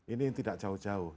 ini tidak jauh jauh